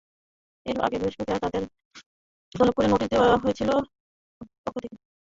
এর আগে বৃহস্পতিবার তাঁদের তলব করে নোটিশ দেওয়া হয়েছিল সংস্থাটির পক্ষ থেকে।